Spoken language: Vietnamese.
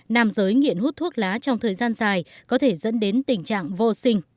nam giới nghiện hút thuốc lá trong thời gian dài có thể dẫn đến tình trạng vô sinh